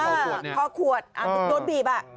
อะคลอขวดนี่คลอขวดโดนบีบ